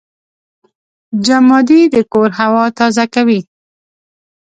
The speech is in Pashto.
جمادې د کور هوا تازه کوي.